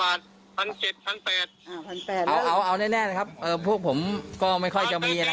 โอ้ยมันจ่ายจะทำยุ้งขนาดเนี้ยไม่เผาก็ไม่ว่าอะไรนะ